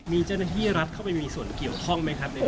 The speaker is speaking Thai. มีเจ้าหน้าที่รัฐเข้าไปมีส่วนเกี่ยวข้องไหมครับ